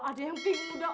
ada yang pink muda